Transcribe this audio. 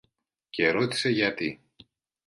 και ρώτησε γιατί.